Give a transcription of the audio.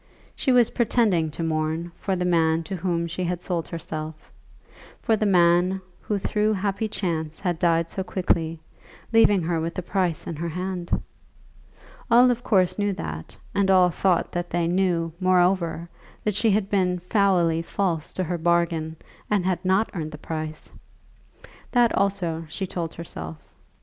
She was pretending to mourn for the man to whom she had sold herself; for the man who through happy chance had died so quickly, leaving her with the price in her hand! All of course knew that, and all thought that they knew, moreover, that she had been foully false to her bargain, and had not earned the price! That, also, she told herself.